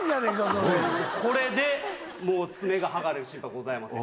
これでもう爪が剥がれる心配ございません。